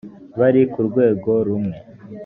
bari ku rwego rumwe